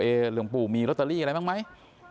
หลวงปู่มีลอตเตอรี่อะไรบ้างไหม